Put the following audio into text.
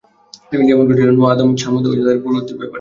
যেমন ঘটেছিল নূহ, আদ, ছামূদ ও তাদের পূর্ববর্তীদের ব্যাপারে।